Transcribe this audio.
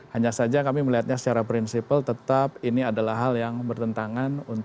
hanya saja kami melihatnya secara prinsipal tetap ini adalah hal yang bertentangan